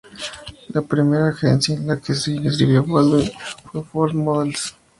La primera agencia en la que se inscribió Baldwin fue Ford Models.